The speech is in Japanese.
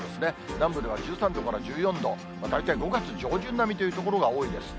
南部では１３度から１４度、大体５月上旬並みという所が多いです。